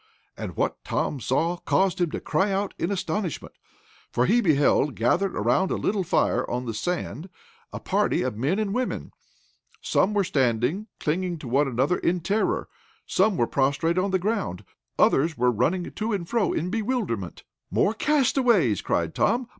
And what Tom saw caused him to cry out in astonishment. For he beheld, gathered around a little fire on the sand, a party of men and women. Some were standing, clinging to one another in terror. Some were prostrate on the ground. Others were running to and fro in bewilderment. "More castaways!" cried Tom.